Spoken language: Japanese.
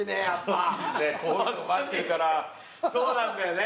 そうなんだよね！